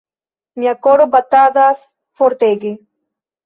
Mia koro batadas fortege.